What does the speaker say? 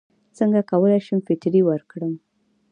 څنګه کولی شم فطرې ورکړم